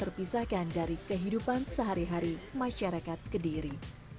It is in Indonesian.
terpisahkan dari kehidupan sehari hari masyarakat kediri